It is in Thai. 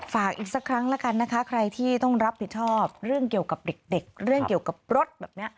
ฝากอีกสักครั้งแล้วกันนะคะใครที่ต้องรับผิดชอบเรื่องเกี่ยวกับเด็กเรื่องเกี่ยวกับรถแบบนี้